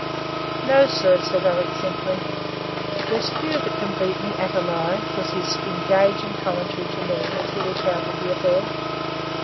'No, sir,' says Alick simply.—'There's few can beat me at a lie,' was his engaging commentary to me as he recounted the affair.